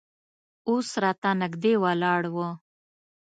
اوس راته نږدې ولاړ و.